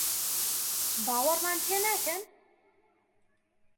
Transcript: باوەڕمان پێ ناکەن؟